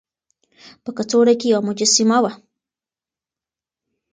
په کڅوړه کې يوه مجسمه وه.